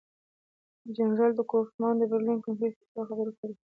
جنرال کوفمان د برلین کنګرې فیصلو خبر ورکړی وو.